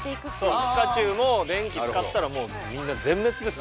そうピカチュウも電気使ったらもうみんな全滅です。